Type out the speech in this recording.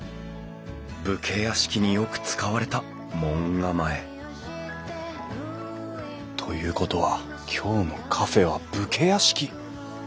武家屋敷によく使われた門構えということは今日のカフェは武家屋敷！